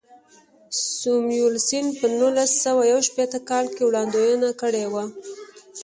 ساموېلسن په نولس سوه یو شپېته کال کې وړاندوینه کړې وه.